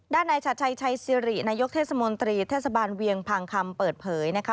นายชัดชัยชัยสิรินายกเทศมนตรีเทศบาลเวียงพังคำเปิดเผยนะคะ